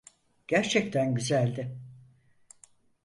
Gerçekten güzeldi.